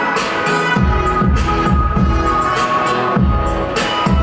ไม่ต้องถามไม่ต้องถาม